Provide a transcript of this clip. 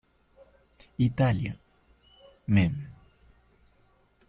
Italia, Mem.